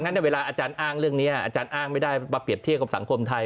ในเวลาอาจารย์อ้างเรื่องนี้อาจารย์อ้างไม่ได้มาเปรียบเทียบกับสังคมไทย